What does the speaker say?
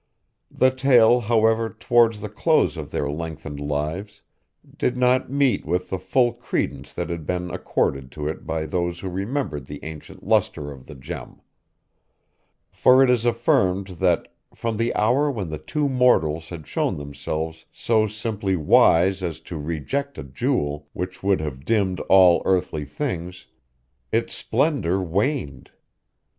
The tale, however, towards the close of their lengthened lives, did not meet with the full credence that had been accorded to it by those who remembered the ancient lustre of the gem. For it is affirmed that, from the hour when two mortals had shown themselves so simply wise as to reject a jewel which would have dimmed all earthly things, its splendor waned.